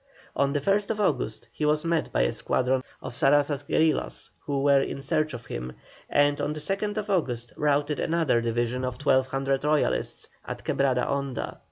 On the 1st August he was met by a squadron of Saraza's guerillas, who were in search of him, and on the 2nd August routed another division of 1,200 Royalists at Quebrada Honda.